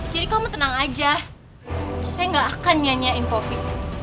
jadi kamu tenang aja saya gak akan nyanyiin poppy